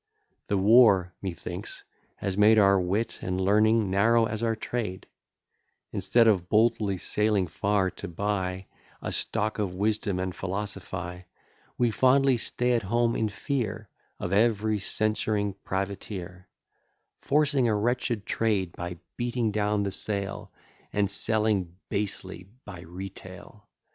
The war, methinks, has made Our wit and learning narrow as our trade; Instead of boldly sailing far, to buy A stock of wisdom and philosophy, We fondly stay at home, in fear Of every censuring privateer; Forcing a wretched trade by beating down the sale, And selling basely by retail.